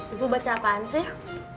itu baca apaan sih